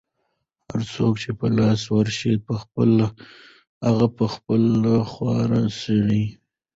هر څوک چې په لاس ورشي، په هغه خپلې خواوې سړوي.